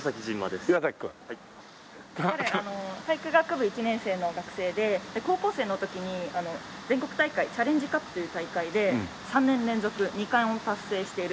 彼体育学部１年生の学生で高校生の時に全国大会チャレンジカップという大会で３年連続２冠を達成している選手になります。